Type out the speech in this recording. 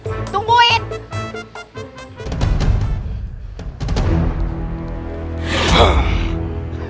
mau apa kamu datang kesini